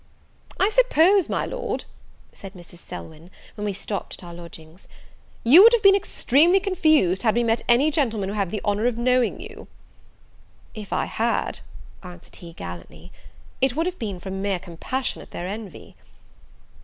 "I suppose, my Lord," said Mrs. Selwyn, when we stopped at our lodgings, "you would have been extremely confused had we met any gentlemen who have the honour of knowing you." "If I had," answered he, gallantly, "it would have been from mere compassion at their envy."